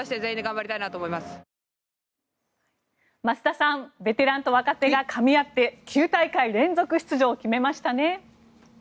増田さんベテランと若手がかみ合って９大会連続出場を決めましたね。